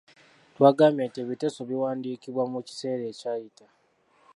Twagambye nti ebiteeso biwandiikibwa mu kiseera ekyayita.